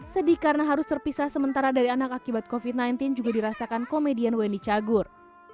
sedih karena harus terpisah sementara dari anak akibat covid sembilan belas juga dirasakan komedian wendy cagur